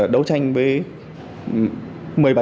đấu tranh với